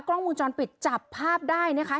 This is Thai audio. กล้องวงจรปิดจับภาพได้นะคะ